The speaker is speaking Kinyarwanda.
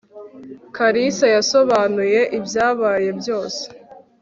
kalisa yasobanuye ibyabaye byose